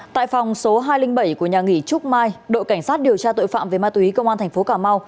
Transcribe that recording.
tại phòng số hai trăm linh bảy của nhà nghỉ trúc mai đội cảnh sát điều tra tội phạm về ma túy công an tp cm